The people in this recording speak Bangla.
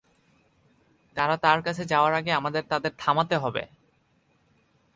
তারা তার কাছে যাওয়ার আগে আমাদের তাদের থামাতে হবে।